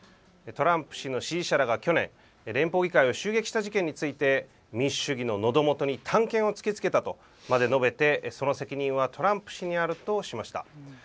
トランプ氏の支持者が、去年連邦議会を襲撃した事件について民主主義の、のど元に短剣を突きつけたとまで述べてその責任はトランプ氏にあるとしました。